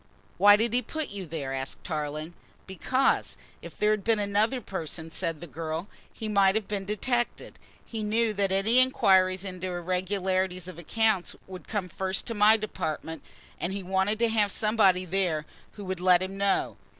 "Why did he put you there?" asked Tarling. "Because, if there had been another person," said the girl, "he might have been detected. He knew that any inquiries into irregularities of accounts would come first to my department, and he wanted to have somebody there who would let him know.